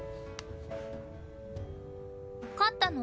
買ったの？